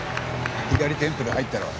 左テンプル入ったろ？